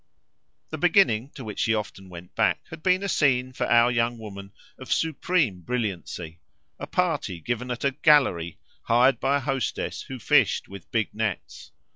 The beginning to which she often went back had been a scene, for our young woman, of supreme brilliancy; a party given at a "gallery" hired by a hostess who fished with big nets.